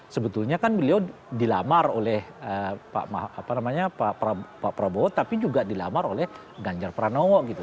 sebetulnya kan beliau dilamar oleh pak prabowo tapi juga dilamar oleh ganjar pranowo gitu